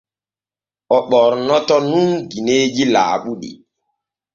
O ɓornoto nun gineeji laaɓuɗi.